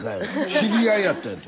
知り合いやったんやて。